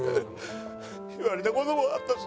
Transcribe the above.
言われた事もあったし。